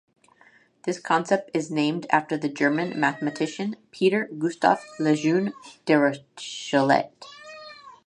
This concept is named after the German mathematician Peter Gustav Lejeune Dirichlet.